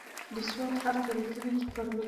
د "ص" حرف په لیکنه کې کارول کیږي.